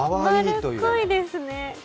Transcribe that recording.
まるっこいですね。